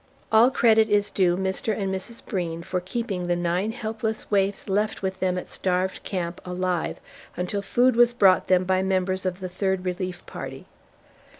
All credit is due Mr. and Mrs. Breen for keeping the nine helpless waifs left with them at Starved Camp alive until food was brought them by members of the Third Relief Party.